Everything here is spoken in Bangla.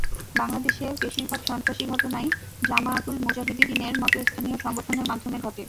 বাংলাদেশে বেশির ভাগ সন্ত্রাসী ঘটনাই জামাআতুল মুজাহিদীনের মতো স্থানীয় সংগঠনের মাধ্যমে ঘটে।